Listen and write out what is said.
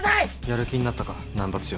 やる気になったか難破剛。